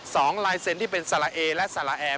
สองลายเซ็นต์ที่เป็นสาระเอและสาระแอ